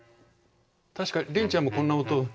確かリンちゃんもこんな音。